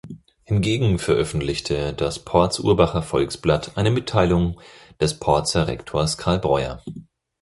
Hingegen veröffentlichte das Porz-Urbacher Volksblatt eine Mitteilung des Porzer Rektors Carl Breuer.